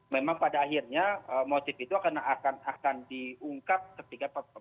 memang pada akhirnya motif itu akan diungkap ketika